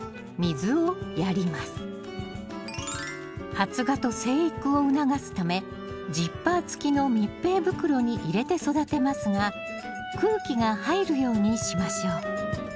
発芽と生育を促すためジッパー付きの密閉袋に入れて育てますが空気が入るようにしましょう。